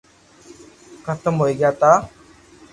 ختم ھوئي گيا تا